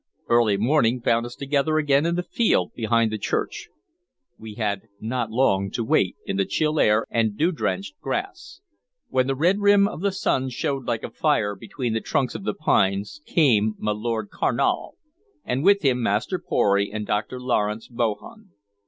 Early morning found us together again in the field behind the church. We had not long to wait in the chill air and dew drenched grass. When the red rim of the sun showed like a fire between the trunks of the pines came my Lord Carnal, and with him Master Pory and Dr. Lawrence Bohun.